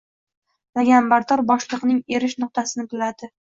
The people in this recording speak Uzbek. Laganbardor boshliqning erish nuqtasini biladi